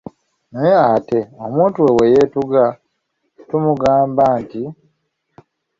Naye ate omuntu we bwe yeetuga tumugamba nti?